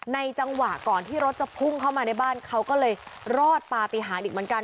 ในจังหวะก่อนที่รถจะพุ่งเข้ามาในบ้านเขาก็เลยลอดป้าอื่นดิบเหามั้ย